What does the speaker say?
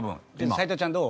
斎藤ちゃんどう？